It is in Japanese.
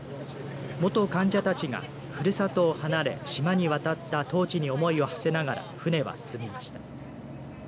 元患者たちが、ふるさとを離れ島に渡った当時に思いをはせながら船は進みました。